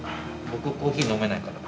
僕コーヒー飲めないから。